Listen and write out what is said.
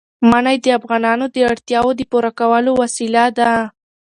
منی د افغانانو د اړتیاوو د پوره کولو وسیله ده.